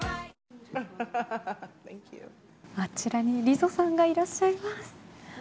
あちらにＬＩＺＺＯさんがいらっしゃいます。